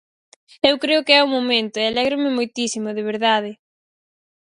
Eu creo que é o momento, e alégrome moitísimo, de verdade.